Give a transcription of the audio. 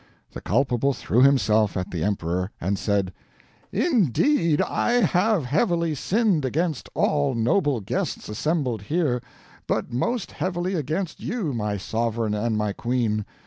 The culpable threw himself at the Emperor, and said "'Indeed I have heavily sinned against all noble guests assembled here, but most heavily against you my sovereign and my queen.